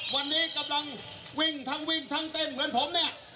วันนี้กำลังวิ่งทั้งวิ่งทั้งเต้นเหมือนผมเนี่ย